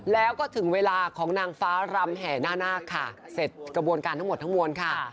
แล้วก็ถึงเวลาของนางฟ้ารำแห่นาคค่ะเสร็จกระบวนการทั้งหมดทั้งมวลค่ะ